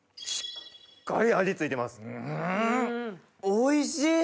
おいしい！